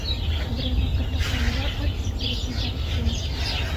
Берәй ваҡыт тапҡанда ат ектереп ебәрт, — тине.